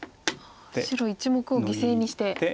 白１目を犠牲にして。